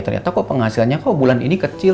ternyata kok penghasilannya kok bulan ini kecil